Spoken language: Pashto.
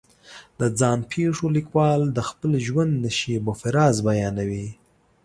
د ځان پېښو لیکوال د خپل ژوند نشیب و فراز بیانوي.